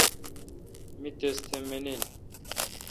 می تس تھ مانیل۔